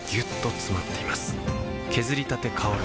削りたて香る